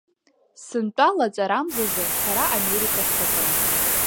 Сынтәа лаҵарамзазы сара Америка сыҟан.